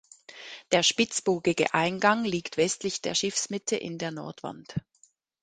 Der spitzbogige Eingang liegt westlich der Schiffsmitte in der Nordwand.